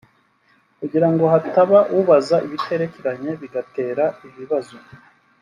kugirango hataba ubaza ibiterekeranye bigatera ibibazo